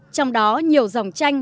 trong đó nhiều dòng tranh